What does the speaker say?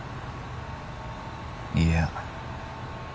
いや